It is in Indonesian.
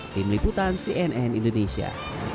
tim liputan cnn indonesia